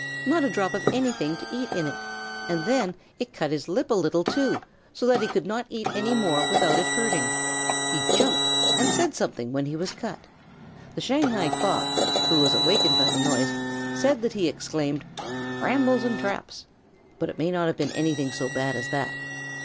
Not a drop of anything to eat in it, and then it cut his lip a little, too, so that he could not eat more without its hurting. He jumped and said something when he was cut. The Shanghai Cock, who was awakened by the noise, said that he exclaimed, "Brambles and traps!" but it may not have been anything so bad as that.